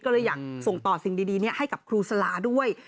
ก็เลยอยากส่งต่อสิ่งดีให้กับครูสลาคุณค่ะ